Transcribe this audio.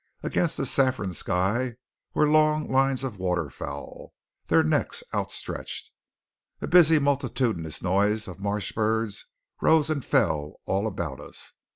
Against a saffron sky were long lines of waterfowl, their necks outstretched. A busy multitudinous noise of marsh birds rose and fell all about us.